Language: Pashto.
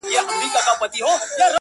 هم په رنگ هم په اخلاق وو داسي ښکلی؛